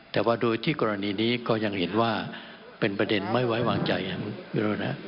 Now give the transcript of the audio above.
แต่ว่าดูที่กรณีนี้ก็ยังเห็นว่าเป็นประเด็นไม่วางใจนะครับ